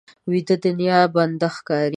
ویده دنیا بنده ښکاري